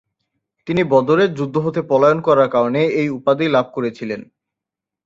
তিনি বদরের যুদ্ধ হতে পলায়ন করার কারনে এই উপাধি লাভ করেছিলেন।